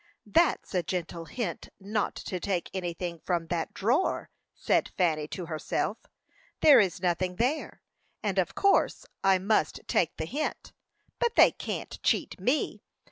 "That's a gentle hint not to take anything from that drawer," said Fanny to herself. "There is nothing there, and of course I must take the hint; but they can't cheat me.